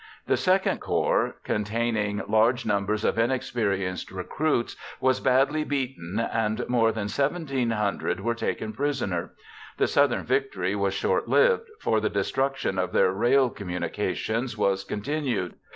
The II Corps, containing large numbers of inexperienced recruits, was badly beaten and more than 1,700 were taken prisoner. The Southern victory was shortlived, for the destruction of their rail communications was continued.